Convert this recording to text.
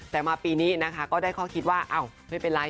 แต่มาปีนี้นะคะก็ได้ข้อคิดว่าอ้าวไม่เป็นไร